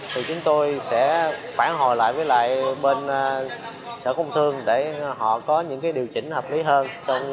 thì chúng tôi sẽ phản hồi lại với lại bên sở công thương để họ có những điều chỉnh hợp lý hơn